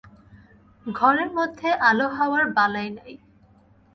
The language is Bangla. ঘরের মধ্যে আলো-হাওয়ার বালাই নাই।